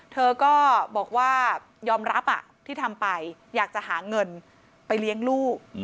เธอก็บอกว่ายอมรับที่ทำไปอยากจะหาเงินไปเลี้ยงลูก